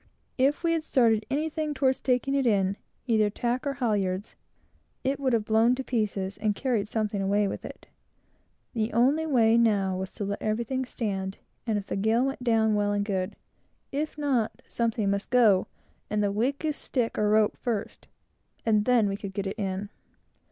If we had started anything toward taking it in, either tack or halyards, it would have blown to pieces, and carried something away with it. The only way now was to let everything stand, and if the gale went down, well and good; if not, something must go the weakest stick or rope first and then we could get it in.